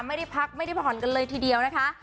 ไม่ได้พักไม่ได้ผ่อนกันเลยทีเดียวนะคะ